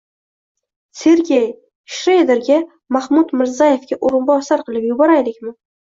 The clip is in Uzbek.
— Sergey, Shrederga — Mahmud Mirzayevga o‘rinbosar qilib yuboraylikmi?